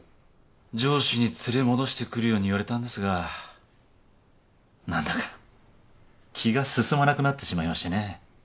上司に連れ戻してくるように言われたんですが何だか気が進まなくなってしまいましてね。